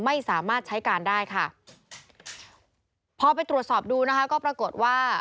ไม่สามารถใช้การได้ค่ะพอไปตรวจสอบดูนะคะก็ปรากฏว่า